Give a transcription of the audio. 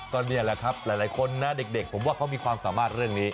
ก็นี่แหละครับหลายคนนะเด็กผมว่าเขามีความสามารถเรื่องนี้